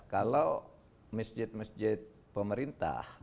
kalau masjid masjid pemerintah